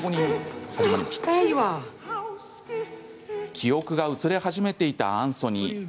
記憶が薄れ始めていたアンソニー。